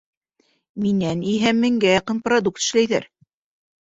Минән иһә меңгә яҡын продукт эшләйҙәр.